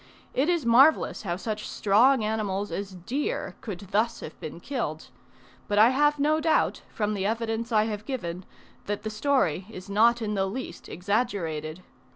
It is marvellous how such strong animals as deer could thus have been killed; but I have no doubt, from the evidence I have given, that the story is not in the least exaggerated.